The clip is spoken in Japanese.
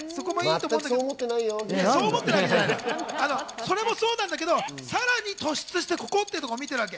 それもそうだけど、さらに突出してここってとこを見てるわけ。